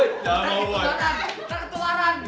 eh itu kanan ketularan